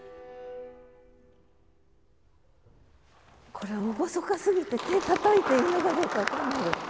これ厳かすぎて手たたいていいのかどうか分かんないよ。